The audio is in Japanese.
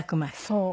そう。